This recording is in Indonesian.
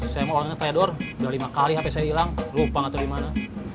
saya mau uangnya fedor udah lima kali hape saya hilang lupa gak tau dimana